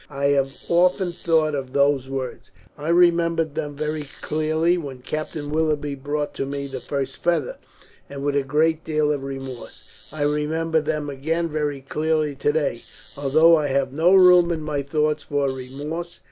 I have often thought of those words. I remembered them very clearly when Captain Willoughby brought to me the first feather, and with a great deal of remorse. I remember them again very clearly to day, although I have no room in my thoughts for remorse.